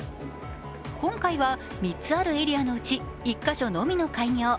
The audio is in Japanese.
今回は３つあるエリアのうち１か所のみの営業。